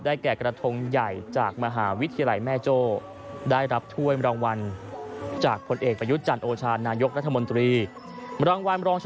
ได้แก่กระทงใหญ่จากมหาวิทยาลัยแม่โจ